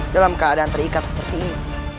dalam keadaan terikat seperti ini